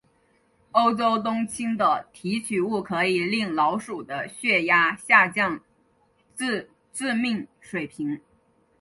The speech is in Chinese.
欧洲冬青的提取物可以令老鼠的血压下降至致命水平。